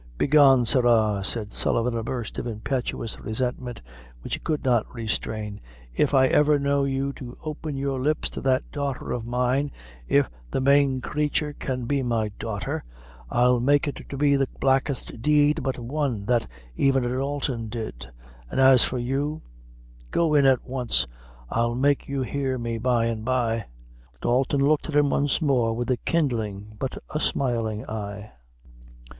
"Begone, sirra," said Sullivan, in a burst of impetuous resentment which he could not restrain, "if I ever know you to open your lips to that daughter of mine if the mane crature can be my daughter I'll make it be the blackest deed but one that ever a Dalton did; and as for you go in at wonst I'll make you hear me by and by." Dalton looked at him once more with a kindling but a smiling eye.